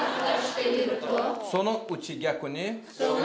そのうち逆に。